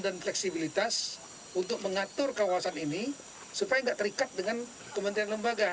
dan fleksibilitas untuk mengatur kawasan ini supaya tidak terikat dengan kementerian lembaga